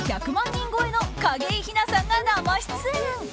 人超えの景井ひなさんが生出演。